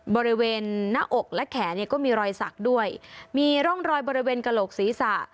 บริเวณหน้าอกและแขนเนี่ยก็มีรอยสักด้วยมีร่องรอยบริเวณกระโหลกศีรษะ